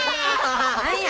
何や！